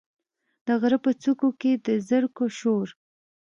د غره په څوکو کې، د زرکو شور،